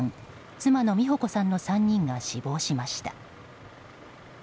妻の美保子さんの３人が死亡しました。